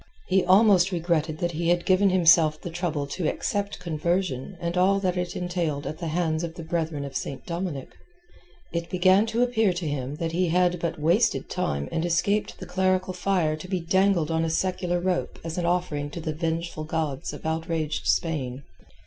He almost regretted that he had given himself the trouble to accept conversion and all that it entailed at the hands of the Brethren of St. Dominic. It began to appear to him that he had but wasted time and escaped the clerical fire to be dangled on a secular rope as an offering to the vengeful gods of outraged Spain.